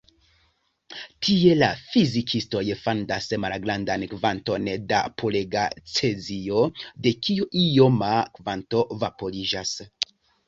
Tie la fizikistoj fandas malgrandan kvanton da purega cezio, de kiu ioma kvanto vaporiĝas.